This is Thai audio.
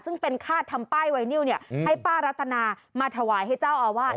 ซึ่งเป็นคาดทำป้ายไวนิวให้ป้ารัตนามาถวายให้เจ้าอาวาส